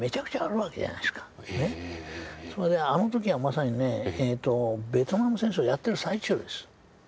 それであの時はまさにねベトナム戦争やってる最中です。